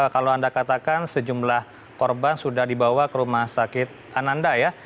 kalau anda katakan sejumlah korban sudah dibawa ke rumah sakit ananda ya